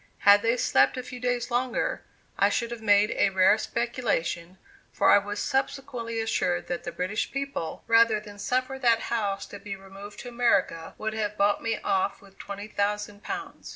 Had they slept a few days longer, I should have made a rare speculation, for I was subsequently assured that the British people, rather than suffer that house to be removed to America, would have bought me off with twenty thousand pounds.